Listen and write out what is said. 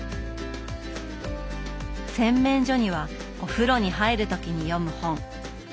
洗面所にはお風呂に入る時に読む本。